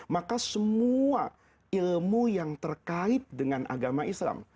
maka semua ilmu yang terkait dengan agama islam itu adalah ilmu yang berkaitan dengan agama islam